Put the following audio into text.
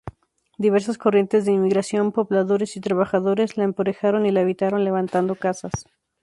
Diversas corrientes de inmigración, pobladores y trabajadores la emparejaron y la habitaron levantando casas.